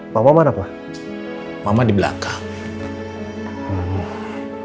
mama mana pak mama di belakang